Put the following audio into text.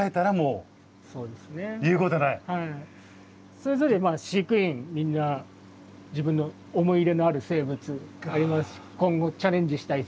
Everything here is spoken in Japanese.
それぞれまあ飼育員みんな自分の思い入れのある生物がいますし今後チャレンジしたい生物というのも。そうか。